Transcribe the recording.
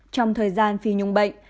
trong thời gian phi nhung bệnh